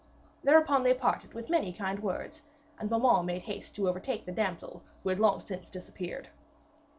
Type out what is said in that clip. Thereupon they parted with many kind words, and Beaumains made haste to overtake the damsel, who had long since disappeared.